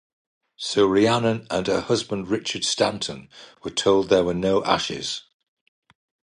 So Rhiannon and her husband Richard Stanton were told there were no ashes.